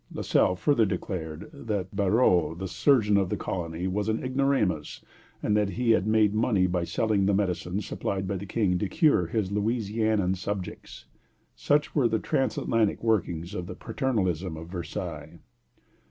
La Salle further declared that Barrot, the surgeon of the colony, was an ignoramus, and that he made money by selling the medicines supplied by the King to cure his Louisianian subjects. Such were the transatlantic workings of the paternalism of Versailles.